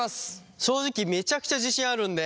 正直めちゃくちゃ自信あるんで。